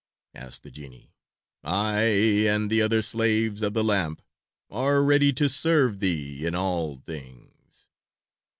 asked the genie. "I and the other slaves of the lamp are ready to serve thee in all things."